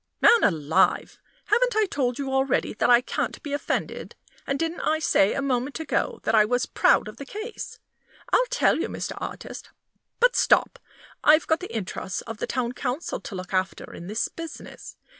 "Man alive! haven't I told you already that I can't be offended? And didn't I say a moment ago that I was proud of the case? I'll tell you, Mr. Artist but stop! I've got the interests of the Town Council to look after in this business.